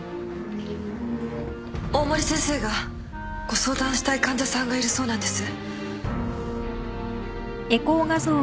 大森先生がご相談したい患者さんがいるそうなんです。